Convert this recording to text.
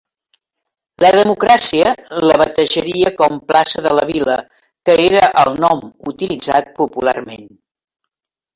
La democràcia la batejaria com plaça de la Vila, que era el nom utilitzat popularment.